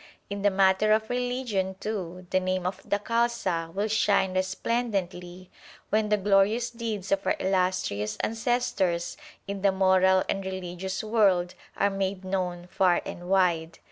In the matter of religion, too, the name of the Khalsa will shine resplendently when the glorious deeds of our illustrious ancestors in the moral and religious world are made known far and wide.